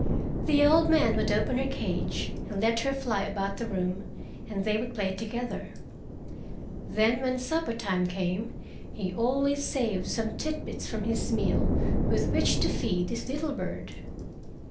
The old man would open her cage and let her fly about the room, and they would play together. Then when supper time came, he always saved some tit bits from his meal with which to feed his little bird.